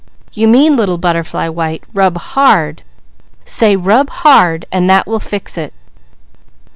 You mean Little Butterfly White, 'rub hard.' Say rub hard and that will fix it!"